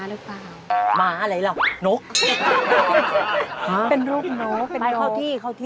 เหมาะหรือเปล่า